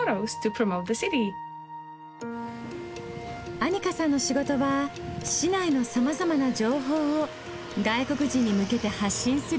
アニカさんの仕事は市内のさまざまな情報を外国人に向けて発信すること。